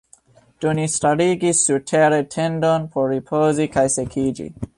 Do ni starigis surtere tendon por ripozi kaj sekiĝi.